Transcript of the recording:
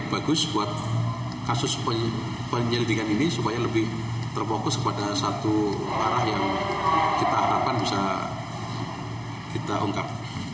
bagus buat kasus penyelidikan ini supaya lebih terfokus kepada satu arah yang kita harapkan bisa kita ungkap